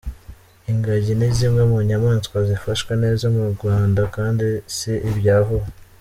Ingagi ni zimwe mu nyamaswa zifashwe neza mu Rwanda kandi si ibya vuba.